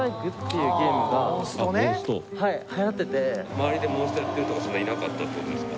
周りで「モンスト」やってる人がそんないなかったってことですか？